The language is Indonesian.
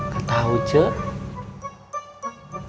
gak tau cuy